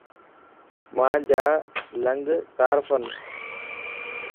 مانجا لنڳ تارڦن